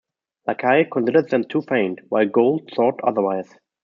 Lacaille considered them too faint, while Gould thought otherwise.